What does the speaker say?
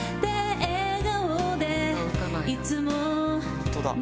本当だ。